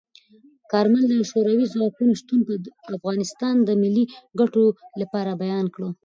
کارمل د شوروي ځواکونو شتون د افغانستان د ملي ګټو لپاره بیان کړ.